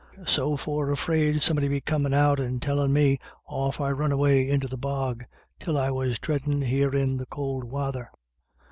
So for 'fraid somebody'd be comin' out and tellin' me, off I run away into the bog, till I was treadin' here in the could wather.